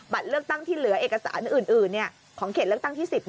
เลือกตั้งที่เหลือเอกสารอื่นของเขตเลือกตั้งที่๑๐